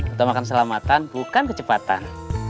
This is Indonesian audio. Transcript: untuk makan selamatkan bukan kecepatan